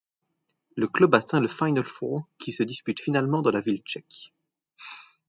Le club atteint le Final Four qui se dispute finalement dans la ville tchèque.